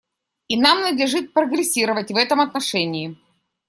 И нам надлежит прогрессировать в этом отношении.